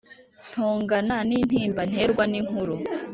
Ntongana n’intimba Nterwa n’inkuru